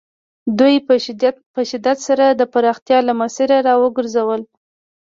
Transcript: دوی په شدت سره د پراختیا له مسیره را وګرځول.